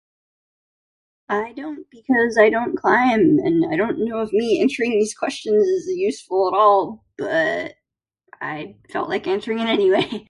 I don't because I don't climb. And I don't know if me answering these question is useful at all, but I felt like answering it, anyway.